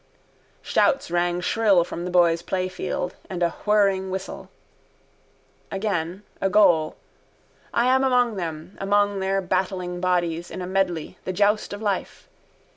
Shouts rang shrill from the boys' playfield and a whirring whistle. Again: a goal. I am among them, among their battling bodies in a medley, the joust of life.